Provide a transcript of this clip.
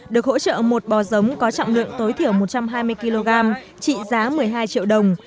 được hỗ trợ một bò giống có trọng lượng tối thiểu một trăm hai mươi kg trị giá một mươi hai triệu đồng